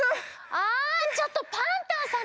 あちょっとパンタンさん